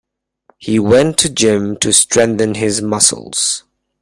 He went to gym to strengthen his muscles.